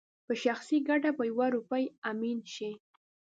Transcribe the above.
په شخصي ګټه په يوه روپۍ امين شي